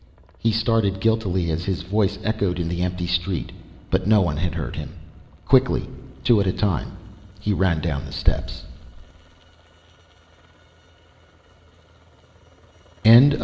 He started guiltily as his voice echoed in the empty street, but no one had heard him. Quickly, two at a time, he ran down the steps.